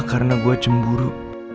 karena gue cemburu